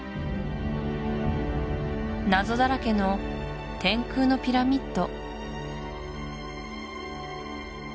ナゾだらけの天空のピラミッド